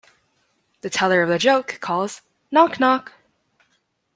The teller of the joke calls Knock, knock!